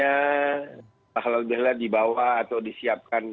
tapi kalau misalnya makannya halal bihalalnya dibawa atau disiapkan secara